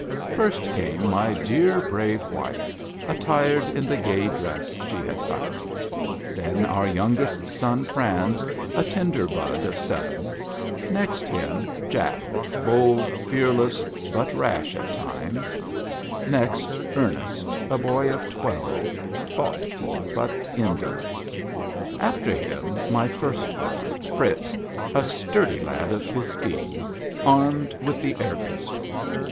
First came my dear, brave wife, attired in the gay dress she had found. Then our youngest son Franz, a tender bud of seven; next him, Jack, bold, fearless, but rash at times ; next Ernest, a boy of twelve, thoughtful but indolent; after him my first born, Fritz, a sturdy lad of fifteen, armed with the air pistol.